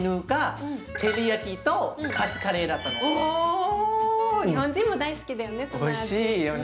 お日本人も大好きだよね